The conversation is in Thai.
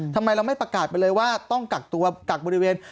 ทำไมเราไม่ประกาศไปเลยว่าต้องกักตัวกักบริเวณ